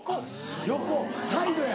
横サイドや。